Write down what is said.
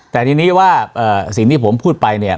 แต่ทีนี้ว่าสิ่งที่ผมพูดไปเนี่ย